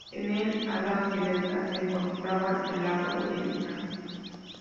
En el ala occidental se encontraban el lagar y el granero.